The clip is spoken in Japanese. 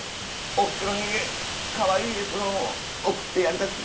おふくろにかわいいエプロンを贈ってやりたくて。